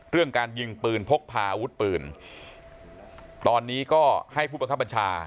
เรื่องการยิงปืนพกพาอาวุธปืนตอนนี้ก็ให้ผู้บังคับบัญชา